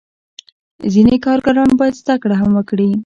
ځینې کارګران باید زده کړه هم وکړي.